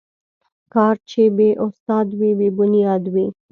کار چې بې استاد وي، بې بنیاد وي.